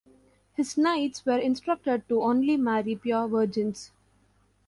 His knights were instructed to only marry pure virgins.